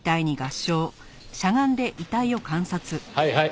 はいはい。